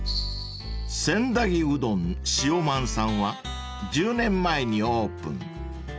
［千駄木うどん汐満さんは１０年前にオープン］